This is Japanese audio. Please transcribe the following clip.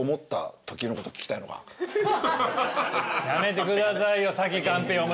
やめてくださいよ先カンペ読むの。